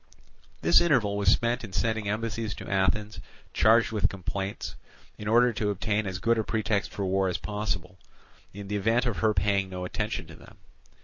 This interval was spent in sending embassies to Athens charged with complaints, in order to obtain as good a pretext for war as possible, in the event of her paying no attention to them.